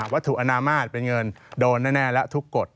วัตถุอนามาตรเป็นเงินโดนแน่แล้วทุกกฎ